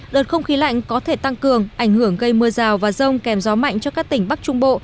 đợt không khí lạnh có thể tăng cường ảnh hưởng gây mưa rào và rông kèm gió mạnh cho các tỉnh bắc trung bộ